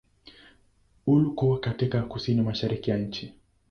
Uko katika kusini-mashariki ya nchi.